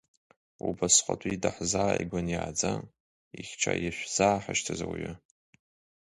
Убасҟатәи даҳзааигәан иааӡа, ихьча ишәзааҳашьҭыз ауаҩы.